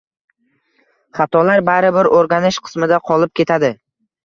Xatolar baribir o’rganish qismida qolib ketadi.